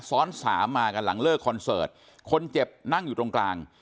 ซ้อนสามมากันหลังเลิกคอนเสิร์ตคนเจ็บนั่งอยู่ตรงกลาง